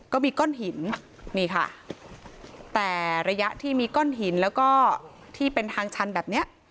ก็มีก้อนหินนี่ค่ะแต่ระยะที่มีก้อนหินแล้วก็ที่เป็นทางชันแบบเนี้ย